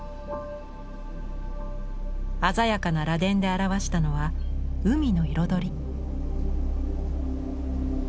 鮮やかな螺鈿で表したのは海の彩り。